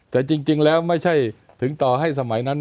แต่จริงแล้วไม่ใช่ถึงต่อให้สมัยนั้น